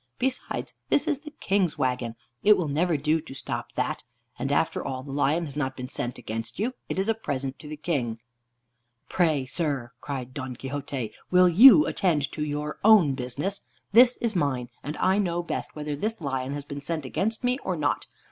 Besides, this is the King's wagon; it will never do to stop that. And after all, the lion has not been sent against you; it is a present to the King." "Pray, sir," cried Don Quixote, "will you attend to your own business? This is mine, and I know best whether this lion has been sent against me or not.